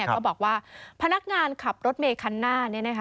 ก็บอกว่าพนักงานขับรถเมย์คันหน้า